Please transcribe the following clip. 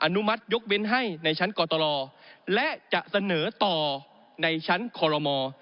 นุมัติยกเว้นให้ในชั้นกตรและจะเสนอต่อในชั้นคอลโลม